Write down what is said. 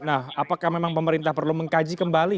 nah apakah memang pemerintah perlu mengkaji kembali